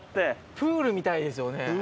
プールみたいですよね。